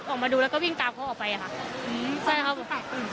ไม่เห็นเลยค่ะไม่เห็นค่ะแล้วคนร้ายก็คือหลักอยู่แต่ชั้นนั้นเลย